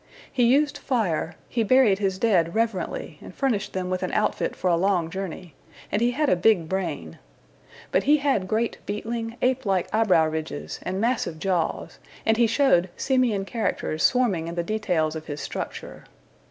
He used fire; he buried his dead reverently and furnished them with an outfit for a long journey; and he had a big brain. But he had great beetling, ape like eyebrow ridges and massive jaws, and he showed "simian characters swarming in the details of his structure."